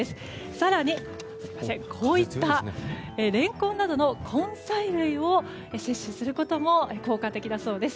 更に、こういったレンコンなどの根菜類を摂取することも効果的だそうです。